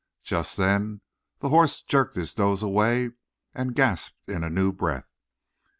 Just then the horse jerked his nose away and gasped in a new breath.